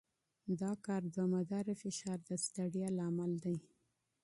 د کار دوامداره فشار د ستړیا سبب دی.